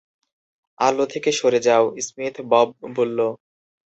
আলো থেকে সরে যাও, স্মিথ, বব বলল।